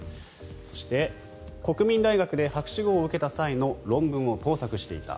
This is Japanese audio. そして、国民大学で博士号を受けた際の論文を盗作していた。